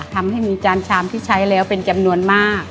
ทำให้มีจานชามที่ใช้แล้วเป็นจำนวนมาก